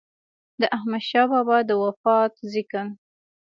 د احمد شاه بابا د وفات ذکر